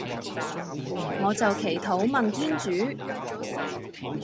我就祈禱問天主